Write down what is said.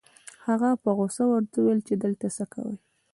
هغه په غصه ورته وويل چې دلته څه کوې؟